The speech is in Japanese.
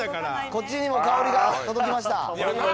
こっちにも香りが届きました。